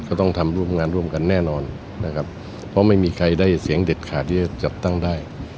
ต้องทำร่วมงานร่วมกันแน่นอนนะครับเพราะไม่มีใครได้เสียงเด็ดขาดที่จะจัดตั้งได้